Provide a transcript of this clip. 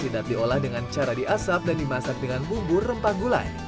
sedap diolah dengan cara diasap dan dimasak dengan bumbu rempah gulai